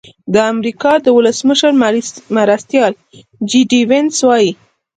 د امریکا د ولسمشر مرستیال جي ډي وینس وايي.